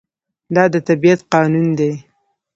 دا د طبیعت قانون دی.